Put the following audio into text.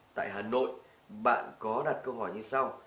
tại hà nội bạn có đặt câu hỏi như sau